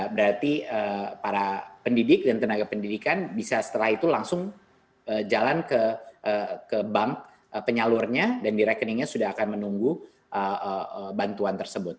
berarti para pendidik dan tenaga pendidikan bisa setelah itu langsung jalan ke bank penyalurnya dan di rekeningnya sudah akan menunggu bantuan tersebut